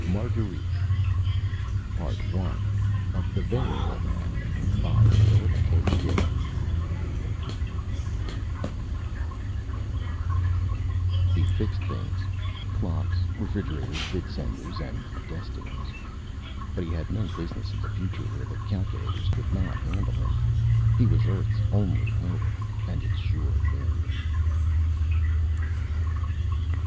THE VARIABLE MAN BY PHILIP K. DICK ILLUSTRATED BY EBEL He fixed things clocks, refrigerators, vidsenders and destinies. But he had no business in the future, where the calculators could not handle him. He was Earth's only hope and its sure failure!